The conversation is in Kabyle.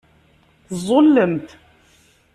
Teẓẓullemt.